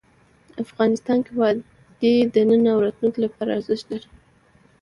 افغانستان کې وادي د نن او راتلونکي لپاره ارزښت لري.